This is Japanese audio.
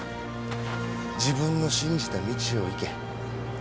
自分の信じた道を行け。